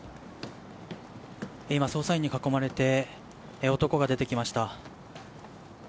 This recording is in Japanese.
今、捜査員に囲まれて男が出てきました。